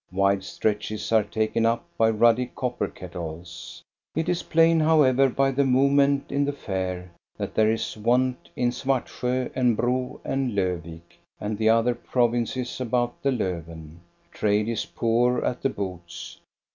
Wide stretches are taken up by ruddy copper kettles. It 430 THE STORY OF GOSTA BE RUNG is plain, however, by the movement in the Fair, that there is want in Svartsjo and Bro and Lofvik and the other provinces about the Lofven : trade is poor at the booths.